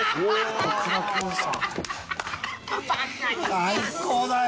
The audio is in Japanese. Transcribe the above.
最高だよ！